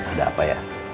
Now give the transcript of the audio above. ada apa ya